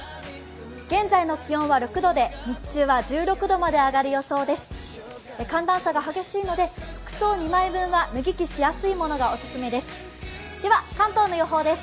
現在の気温は６度で、日中は１６度まで上がる予想です。